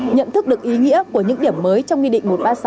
nhận thức được ý nghĩa của những điểm mới trong nghị định một trăm ba mươi sáu